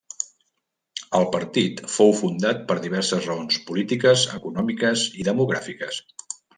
El partit fou fundat per diverses raons polítiques, econòmiques i demogràfiques.